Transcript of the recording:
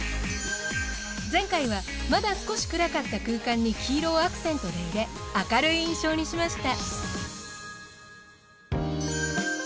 前回はまだ少し暗かった空間に黄色をアクセントで入れ明るい印象にしました。